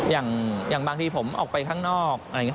อย่างบางทีผมออกไปข้างนอกอะไรอย่างนี้